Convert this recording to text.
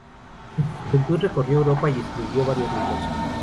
En su juventud recorrió Europa y escribió varios libros.